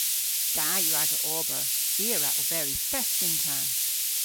Da yw aga ober. I a wra oberi fest yn ta!